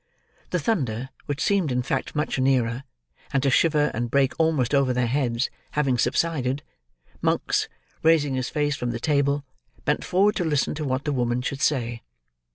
The thunder, which seemed in fact much nearer, and to shiver and break almost over their heads, having subsided, Monks, raising his face from the table, bent forward to listen to what the woman should say.